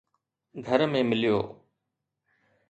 گهر ۾ مليو